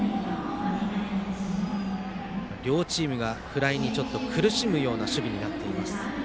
両チームがフライに苦しむような守備になっています。